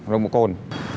rồi một cồn